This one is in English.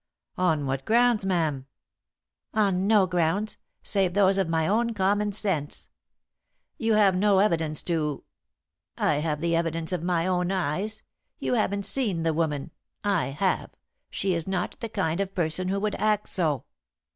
"On what grounds, ma'am?" "On no grounds, save those of my own common sense." "You have no evidence to ?" "I have the evidence of my own eyes. You haven't seen the woman. I have. She is not the kind of person who would act so."